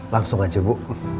langsung aja bu